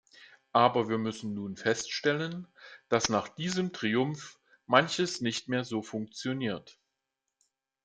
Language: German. Aber wir müssen nun feststellen, dass nach diesem Triumph manches nicht mehr so funktioniert.